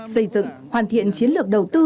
xây dựng hoàn thiện chiến lược đầu tư